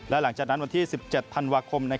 และหลังจากนั้นวันที่๑๗ธันวาคม